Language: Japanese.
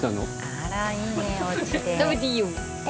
あらいいねおうちで。